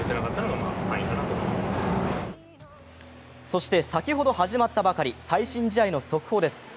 そして先ほど始まったばかり、最新試合の速報です。